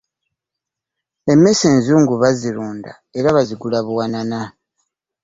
Emmese enzungu bazirunda era bazigula buwanana.